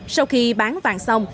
sau khi bán vàng xong